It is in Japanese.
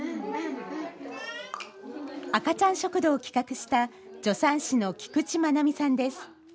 赤ちゃん食堂を企画した助産師の菊地愛美さんです。